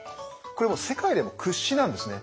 これもう世界でも屈指なんですね。